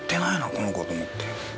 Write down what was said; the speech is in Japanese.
この子と思って。